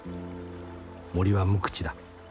『森は無口だ。